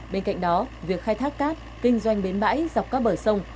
bên cạnh đó việc khai thác cát kinh doanh bến bãi dọc các bờ sông